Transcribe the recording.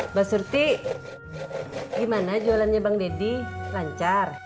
mbak surti gimana jualannya bang deddy lancar